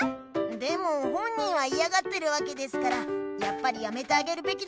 でも本人はいやがってるわけですからやっぱりやめてあげるべきだと思います。